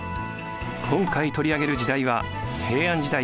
今回取り上げる時代は平安時代